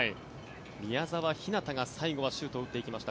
宮澤ひなたが最後はシュートを打っていきました。